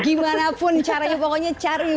gimanapun caranya pokoknya cari